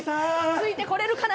ついてこれるかな？